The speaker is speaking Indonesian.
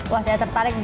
wah saya tertarik